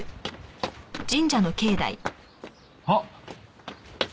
あっ。